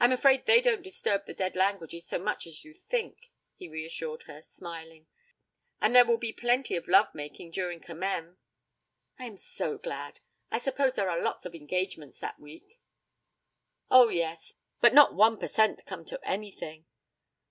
'I'm afraid they don't disturb the dead languages so much as you think,' he reassured her, smiling. 'And there will be plenty of love making during Commem.' 'I am so glad. I suppose there are lots of engagements that week.' 'Oh, yes but not one per cent come to anything.'